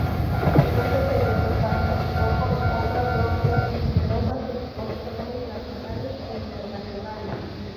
En ese periodo participó con obra propia en numerosas exposiciones nacionales e internacionales.